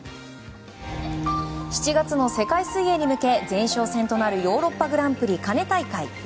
７月の世界水泳に向け前哨戦となるヨーロッパグランプリカネ大会。